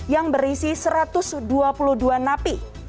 yang berisi satu ratus dua puluh dua napi